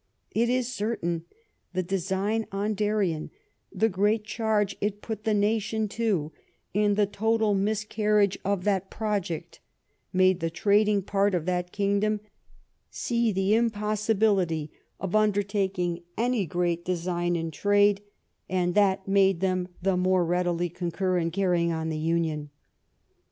It is certain the design on Darien, the great charge it put the nation to, and the total miscarriage of that project, made the trading part of that kingdom see the impossibility of under 169 THE BEION OF QUEEN ANNE taking any great design in trade; and that made them the more readily concur in carrying on the imion.